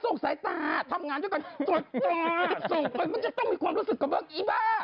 ส่งสายตาทำงานเยอะก่อนปี่บ้า